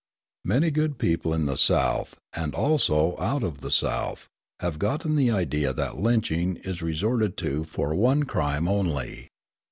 Many good people in the South, and also out of the South, have gotten the idea that lynching is resorted to for one crime only.